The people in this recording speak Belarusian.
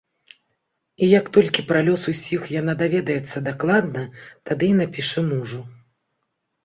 І як толькі пра лёс усіх яна даведаецца дакладна, тады і напіша мужу.